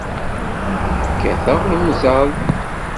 Kkateɣ imẓad.